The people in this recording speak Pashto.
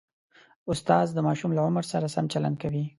استاد د ماشوم له عمر سره سم چلند کوي.